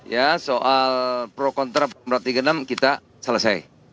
ya soal pro kontra pemroh tiga enam kita selesai